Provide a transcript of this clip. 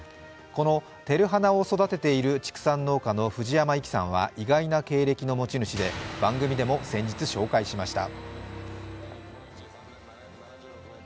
このてるはなを育てている畜産農家の藤山粋さんは意外な経歴の持ち主で番組でも先日紹介しました。